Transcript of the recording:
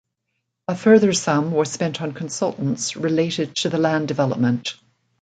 A further sum was spent on consultants related to the land development.